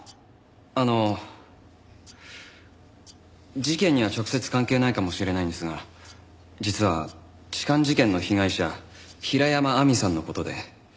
あの事件には直接関係ないかもしれないんですが実は痴漢事件の被害者平山亜美さんの事で。